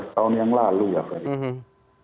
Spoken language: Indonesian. lima belas tahun yang lalu ya verdi